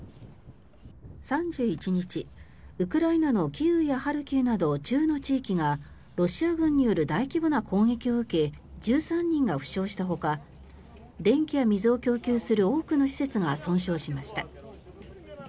３１日、ウクライナのキーウやハルキウなど１０の地域がロシア軍による大規模な攻撃を受け１３人が負傷したほか電気や水を供給する多くの施設が損傷しました。